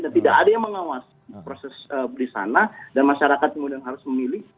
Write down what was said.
dan tidak ada yang mengawas proses beli sana dan masyarakat kemudian harus memilih